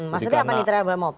maksudnya apa nih trial by mob